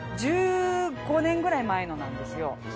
１５年ぐらい前のなんですよ。